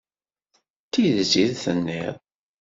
D tidet i d-tenniḍ?